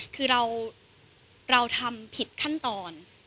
คือเราทำผิดขั้นตอน